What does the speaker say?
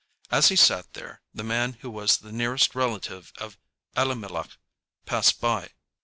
As he sat there, the man who was the nearest relative of Elimelech passed by.